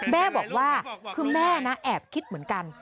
แม่บอกว่าคือแม่นะแอบคิดเหมือนกัน